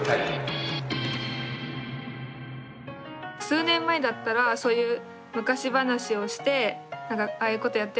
数年前だったらそういう昔話をして「ああいうことやったよね